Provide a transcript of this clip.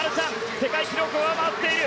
世界記録を上回っている。